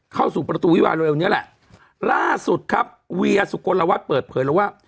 เข้าสู่ประตูวิวาเร็วเนี้ยแหละล่าสุดครับเวียสุกลวัฒน์เปิดเผยแล้วว่า